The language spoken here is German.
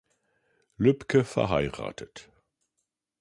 Lübke verheiratet.